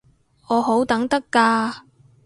我好等得㗎